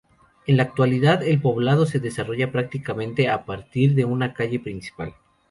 En la actualidad, el poblado se desarrolla prácticamente a partir de una calle principal.